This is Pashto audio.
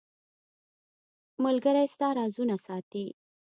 • ملګری ستا رازونه ساتي.